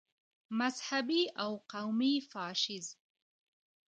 مذهبي او قومي فاشیزم.